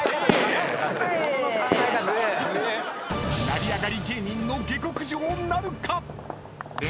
［成り上がり芸人の下剋上なるか⁉］